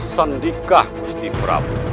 sendikah gusti prabu